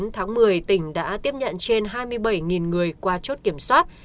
tháng một mươi tỉnh đã tiếp nhận trên hai mươi bảy người qua chốt kiểm soát